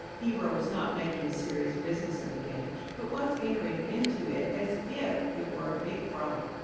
Hero was not making a serious business of the game, but was entering into it as if it were a big frolic.